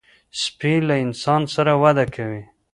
سپي له انسان سره وده کوي.